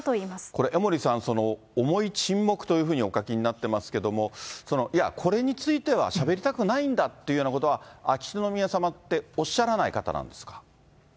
これ、江森さん、重い沈黙というふうにお書きになってますけれども、その、いや、これについてはしゃべりたくないんだというようなことは、秋篠宮さまっておっしゃらない方なんですか？